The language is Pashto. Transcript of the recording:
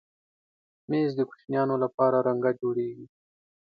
مېز د کوچنیانو لپاره رنګه جوړېږي.